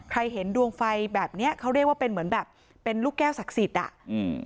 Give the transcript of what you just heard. เห็นดวงไฟแบบเนี้ยเขาเรียกว่าเป็นเหมือนแบบเป็นลูกแก้วศักดิ์สิทธิ์อ่ะอืม